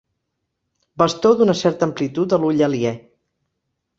Bastó d'una certa amplitud a l'ull aliè.